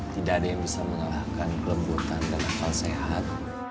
tidak ada yang bisa mengalahkan kelembutan dan akal sehat